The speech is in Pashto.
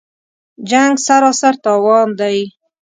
جـنګ سراسر تاوان دی